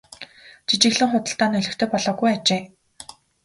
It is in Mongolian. Жижиглэн худалдаа нь олигтой болоогүй ажээ.